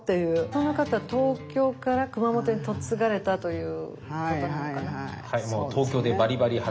この方東京から熊本に嫁がれたということなのかな？